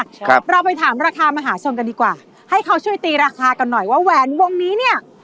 ครับเราไปถามราคามหาชนกันดีกว่าให้เขาช่วยตีราคากันหน่อยว่าแหวนวงนี้เนี่ย